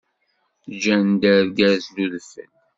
Gan-d argaz n udfel.